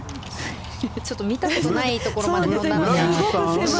ちょっと見たことないところまで飛んだので。